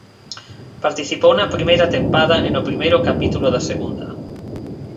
Participou na primeira tempada e no primeiro capítulo da segunda.